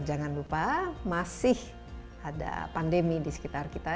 jangan lupa masih ada pandemi di sekitar kita